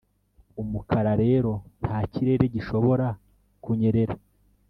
umukara rero nta kirere gishobora kunyerera.